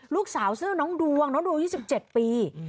ลูกสาวชื่อน้องดวงน้องดวง๒๗ปี